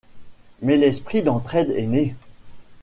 Mais l'esprit d'entraide est né.